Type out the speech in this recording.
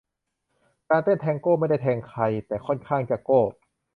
การเต้นแทงโก้ ไม่ได้แทงใคร แต่ค่อนข้างจะโก้